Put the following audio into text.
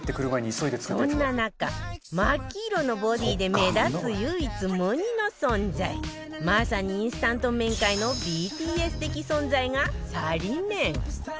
そんな中真っ黄色のボディーで目立つ唯一無二の存在まさにインスタント麺界の ＢＴＳ 的存在がサリ麺